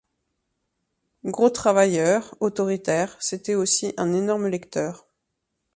Gros travailleur, autoritaire, c'était aussi un énorme lecteur.